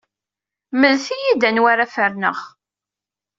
Mlet-iyi-d anwa ara ferneɣ.